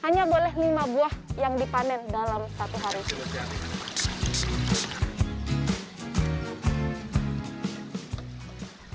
hanya boleh lima buah yang dipanen dalam satu hari